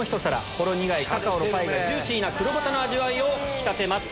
ほろ苦いカカオのパイがジューシーな黒豚の味わいを引き立てます。